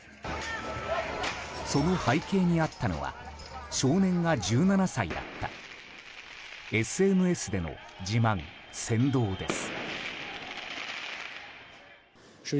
その背景にあったのは少年が１７歳だったＳＮＳでの自慢・扇動です。